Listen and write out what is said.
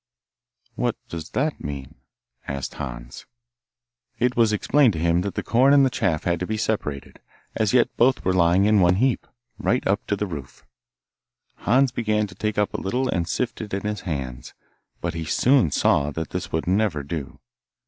'What does that mean?' asked Hans. It was explained to him that the corn and the chaff had to be separated; as yet both were lying in one heap, right up to the roof. Hans began to take up a little and sift it in his hands, but he soon saw that this would never do.